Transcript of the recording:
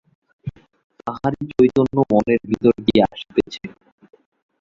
তাঁহারই চৈতন্য মনের ভিতর দিয়া আসিতেছে।